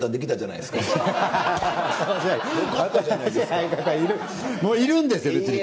いるんですよ別に。